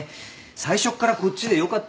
最初っからこっちでよかったのに。